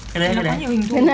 cái đấy nó có nhiều hình thú